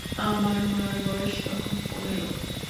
আমার মার বয়স তখন পনের।